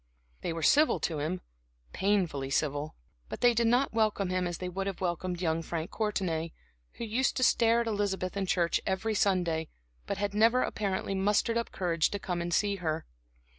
They were civil to him painfully civil; but they did not welcome him as they would have welcomed young Frank Courtenay, who used to stare at Elizabeth in church every Sunday, but had never apparently mustered up courage to come and see her.